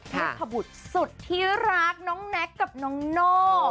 นุพบุตรสุดที่รักน้องแน็กกับน้องโน่